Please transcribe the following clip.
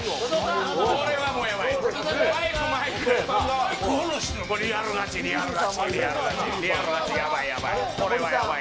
これはもうやばい。